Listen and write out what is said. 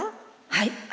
はい。